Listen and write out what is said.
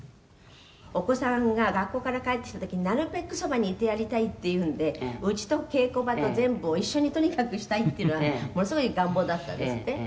「お子さんが学校から帰ってきた時になるべくそばにいてやりたいっていうんでうちと稽古場と全部を一緒にとにかくしたいっていうのはものすごい願望だったんですって？」